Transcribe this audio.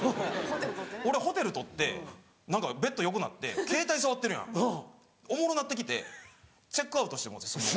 俺ホテル取って何かベッド横になってケータイ触ってるやんおもろなって来てチェックアウトしてもうて。